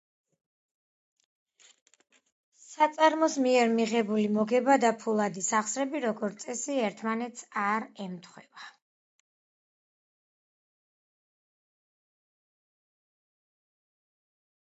საწარმოს მიერ მირებული მოგება და ფულადი სახსრები, როგორც წესი, ერთმანეთს არ ემთხვევა.